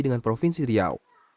dan provinsi riau